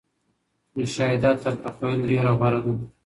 مشاهده تر تخيل ډېره غوره ده.